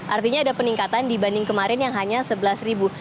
artinya ada peningkatan dibanding kemarin yang hanya sebelas ribu